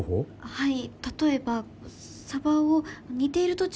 はい。